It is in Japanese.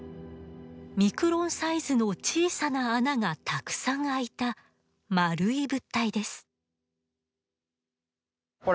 ミクロンサイズの小さな穴がたくさん開いた丸い物体です。